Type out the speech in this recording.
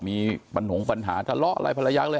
มีหงษ์ปัญหาทะเลาะอะไรภรรยากเลย